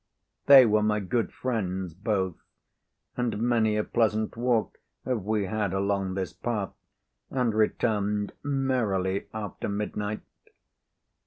They were my good friends, both; and many a pleasant walk have we had along this path, and returned merrily after midnight.